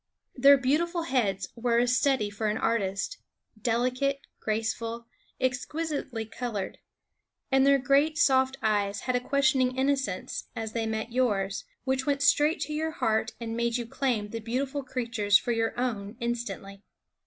Their beautiful heads were a study for an artist, delicate, graceful, exquisitely colored. And their great soft eyes had a questioning innocence, as they met yours, which went straight to your heart and made you claim the beautiful creatures for your own instantly.